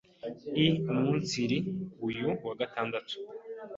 i Umunsiri uyu wa Gatandatu